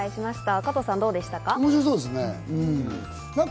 加藤さん、どうでしたか？